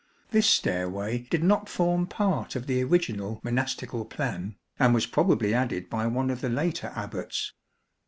This stairway did not form part of the original monastical plan, and was probably added by one of the later Abbats.